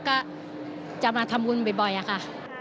ก็จะมาทำวุ่นบ่อยค่ะ